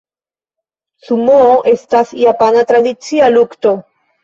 Sumoo estas japana tradicia lukto.